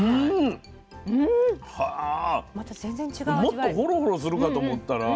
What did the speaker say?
もっとホロホロするかと思ったら。